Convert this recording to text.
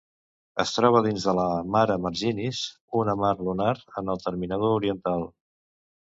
Es troba dins de la Mare Marginis, una mar lunar en el terminador oriental.